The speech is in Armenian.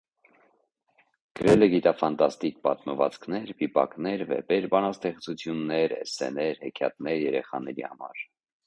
Գրել է գիտաֆանտաստիկ պատմվածքներ, վիպակներ, վեպեր, բանաստեղծություններ, էսսեներ, հեքիաթներ երեխաների համար։